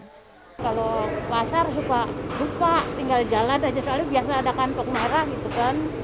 kalau pasar suka buka tinggal jalan aja soalnya biasa ada kantong merah gitu kan